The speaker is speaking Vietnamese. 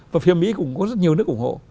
và phía mỹ cũng có rất nhiều nước ủng hộ